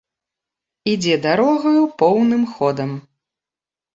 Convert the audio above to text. Ідзе дарогаю поўным ходам.